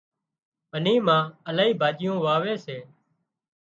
ٻني مان الاهي ڀاڄيون واوي سي